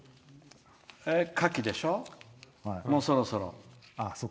カキでしょ、もうそろそろ。